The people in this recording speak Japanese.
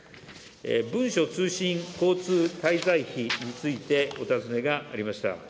文書通信交通滞在費について、お尋ねがありました。